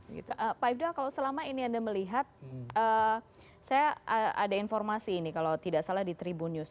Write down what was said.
pak ifdal kalau selama ini anda melihat saya ada informasi ini kalau tidak salah di tribun news